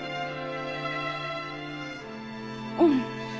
うん。